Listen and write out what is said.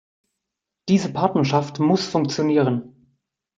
Diese Partnerschaft muss funktionieren.